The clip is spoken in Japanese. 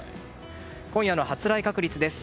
今夜の発雷確率です。